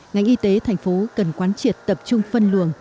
ngành y tế thành phố cần quán triệt tập trung phân luồng